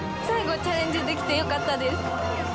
最後、チャレンジできてよかったです。